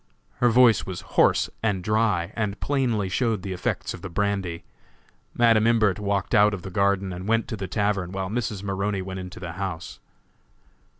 Her voice was hoarse and dry, and plainly showed the effects of the brandy. Madam Imbert walked out of the garden and went to the tavern, while Mrs. Maroney went into the house.